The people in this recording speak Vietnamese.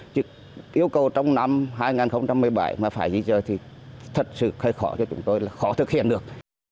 chứ yêu cầu trong năm hai nghìn một mươi bảy mà phải di dời thì thật sự hơi khó cho chúng tôi là khó thực hiện được